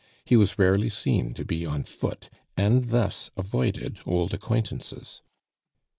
He was rarely seen to be on foot, and thus avoided old acquaintances.